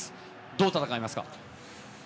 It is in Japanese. どう戦いますか。